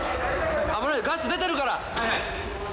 危ないよガス出てるから！